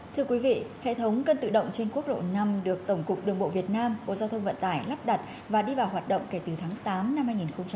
thưa quý vị hệ thống cân tự động trên quốc lộ năm được tổng cục đường bộ việt nam bộ giao thông vận tải lắp đặt và đi vào hoạt động kể từ tháng tám năm hai nghìn hai mươi